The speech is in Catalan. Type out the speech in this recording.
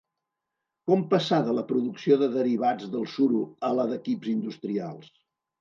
Com passar de la producció de derivats del suro a la d'equips industrials?